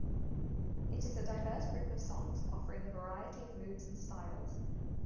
It is a diverse group of songs offering a variety of moods and styles.